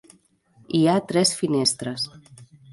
Hi ha tres finestres.